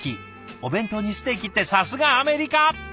お弁当にステーキってさすがアメリカ！